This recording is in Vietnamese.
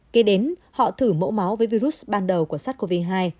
kế đến họ thử mẫu máu với virus ban đầu của sát covid hai